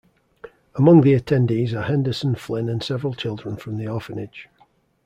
Among the attendees are Henderson, Flynn and several children from the orphanage.